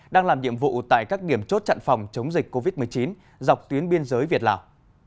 đang làm nhiệm vụ tại các điểm chốt chặn phòng chống dịch covid một mươi chín dọc tuyến biên giới việt lào